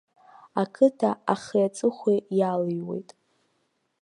Ақыҭа ахи-аҵыхәеи иалыҩуеит.